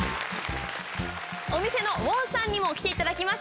お店の黄さんにも来ていただきました。